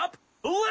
うわ！